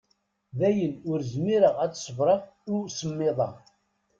Dayen ur zmireɣ ad ṣebreɣ i usemmiḍ-a.